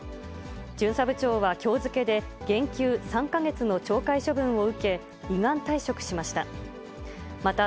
巡査部長はきょう付けで、減給３か月の懲戒処分を受け、依願退職しました。